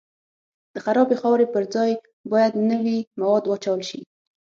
د خرابې خاورې پر ځای باید نوي مواد واچول شي